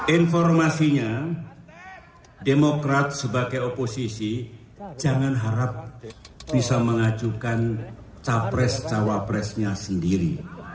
informasinya demokrat sebagai oposisi jangan harap bisa mengajukan capres cawapresnya sendiri